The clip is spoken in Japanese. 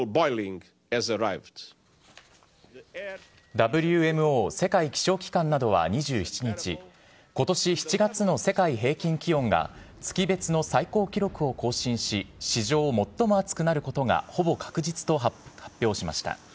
ＷＭＯ＝世界気象機関などは２７日今年７月の世界平均気温が月別の最高記録を更新し史上最も暑くなることがほぼ確実と発表しました。